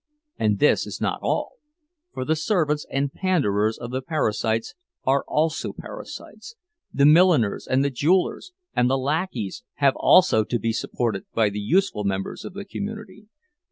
And this is not all; for the servants and panders of the parasites are also parasites, the milliners and the jewelers and the lackeys have also to be supported by the useful members of the community.